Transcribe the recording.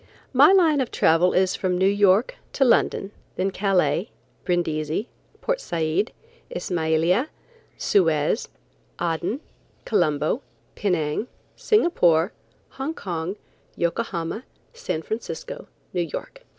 "My line of travel is from New York to London, then Calais, Brindisi, Port Said, Ismailia, Suez, Aden, Colombo, Penang, Singapore, Hong Kong, Yokohama, San Francisco, New York."